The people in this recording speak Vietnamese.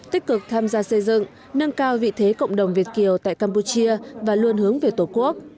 tích cực tham gia xây dựng nâng cao vị thế cộng đồng việt kiều tại campuchia và luôn hướng về tổ quốc